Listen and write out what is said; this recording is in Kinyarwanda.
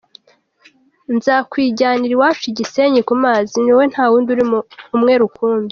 Nzakwijyanira iwacu i Gisenyi ku mazi, ni wowe nta wundi uri umwe rukumbi.